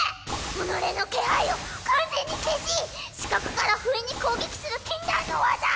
己の気配を完全に消し死角から不意に攻撃する禁断の技。